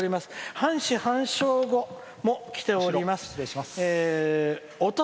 半死半生語もきております。